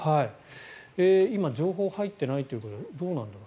今、情報入っていないということで、どうなんだろう